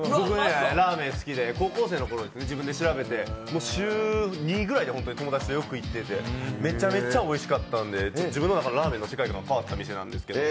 高校生のころ、自分で調べて週２ぐらい友達とよく行っててめちゃめちゃおいしかったんで自分の中のラーメンの世界観が変わったお店なんです。